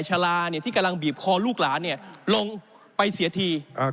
ชาลาเนี่ยที่กำลังบีบคอลูกหลานเนี่ยลงไปเสียที